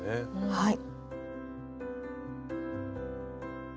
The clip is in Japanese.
はい。